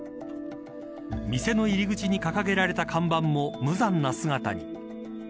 店の入り口に掲げられた看板も無残な姿に。